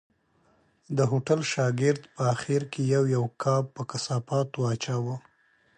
د هوټل شاګرد په آخر کې یو یو قاب په کثافاتو اچاوه.